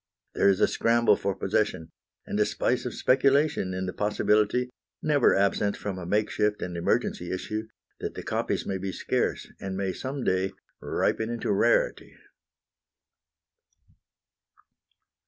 There is a scramble for possession, and a spice of speculation in the possibility, never absent from a makeshift and emergency issue, that the copies may be scarce, and may some day ripen into rarity.